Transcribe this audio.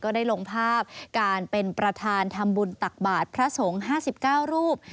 ได้ลงภาพการเป็นประธานทำบุญตักบาทพระสงฆ์๕๙รูป